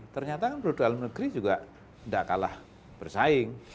ternyata produk dalam negeri juga enggak kalah bersaing